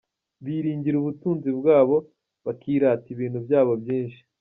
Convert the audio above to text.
Biringira ubutunzi bwabo, Bakirata ibintu byabo byinshi.